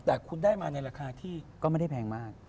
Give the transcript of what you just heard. แต่คุณได้มาในราคาที่ก็ไม่ได้แพงมาก